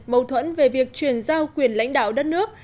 mâu thuẫn về việc chuyển giao quyền lãnh đạo đất nước